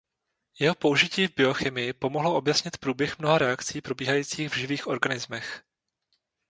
Jeho použití v biochemii pomohlo objasnit průběh mnoha reakcí probíhajících v živých organismech.